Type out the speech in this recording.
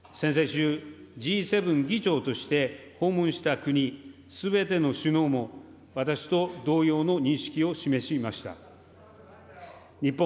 先々週、Ｇ７議長として訪問した国すべての首脳も、私と同様の認識を示しました。